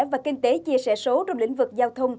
và kinh tế chia sẻ số